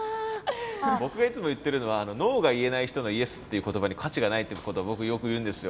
僕がいつも言ってるのはノーが言えない人のイエスっていう言葉に価値がないっていうことを僕よく言うんですよ。